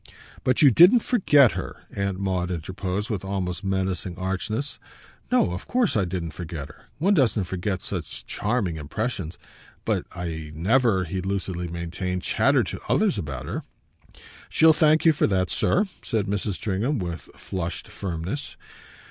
"But you didn't forget her!" Aunt Maud interposed with almost menacing archness. "No, of course I didn't forget her. One doesn't forget such charming impressions. But I never," he lucidly maintained, "chattered to others about her." "She'll thank you for that, sir," said Mrs. Stringham with a flushed firmness.